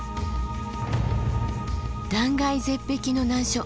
断崖絶壁の難所